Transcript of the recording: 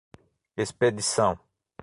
expedição